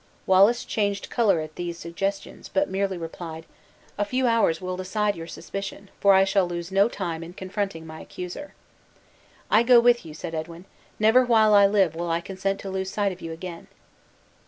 Wallace changed color at these suggestions, but merely replied: "A few hours will decide your suspicion, for I shall lose no time in confronting my accuser." "I go with you," said Edwin; "never while I live, will I consent to lose sight of you again!"